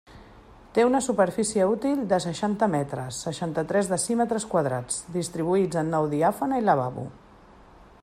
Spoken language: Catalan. Té una superfície útil de seixanta metres, seixanta-tres decímetres quadrats, distribuïts en nau diàfana i lavabo.